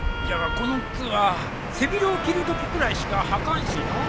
この靴は背広を着るときくらいしか履かんしのう。